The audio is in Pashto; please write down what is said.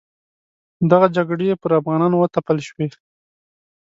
دغه جګړې پر افغانانو وتپل شوې.